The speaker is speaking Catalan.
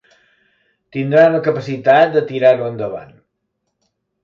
Tindran la capacitat de tirar-ho endavant.